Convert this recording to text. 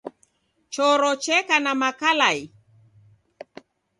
Choro cheka na makalai